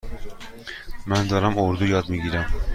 من دارم اردو یاد می گیرم.